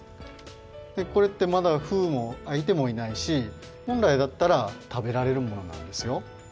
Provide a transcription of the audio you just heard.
これってまだふうもあいてもいないしほんらいだったら食べられるものなんですよ。